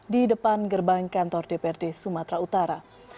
di depan gerbang kantor dprd sumatera utara